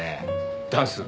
ダンス。